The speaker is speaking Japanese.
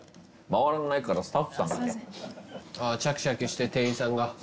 回らないからスタッフさんが。